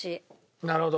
なるほど。